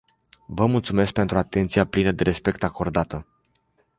Vă mulțumesc pentru atenția plină de respect acordată.